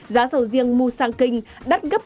giá sầu riêng musang king đắt gấp